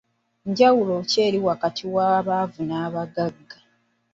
Njawulo ki eri wakati w'abaavu n'abagagga?